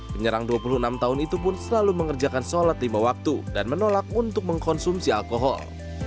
penyerang dua puluh enam tahun itu pun selalu mengerjakan sholat lima waktu dan menolak untuk mengkonsumsi alkohol